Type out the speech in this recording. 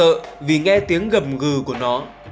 ông mình cũng phát sợ vì nghe tiếng gầm gừ của nó